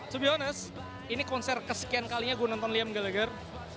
to be honest ini konser kesekian kalinya gue nonton liam gak denger